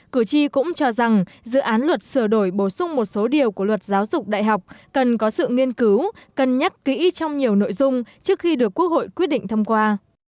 cử tri cũng cho rằng dự án luật sửa đổi bổ sung một số điều của luật giáo dục đại học cần có sự nghiên cứu cân nhắc kỹ trong nhiều nội dung trước khi được quốc hội quyết định thông qua